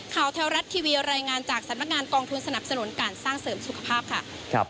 แถวรัฐทีวีรายงานจากสำนักงานกองทุนสนับสนุนการสร้างเสริมสุขภาพค่ะ